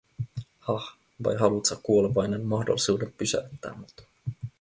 "hah, vai haluut sä kuolevainen mahdollisuuden pysäyttää mut?